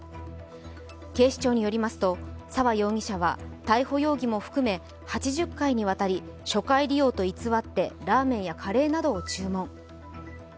警視庁によりますと、沢容疑者は逮捕容疑も含め８０回にわたり、初回利用と偽ってラーメンやカレーなどを注文。